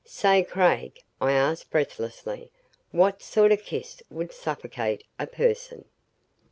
"Say, Craig," I asked breathlessly, "what sort of kiss would suffocate a person."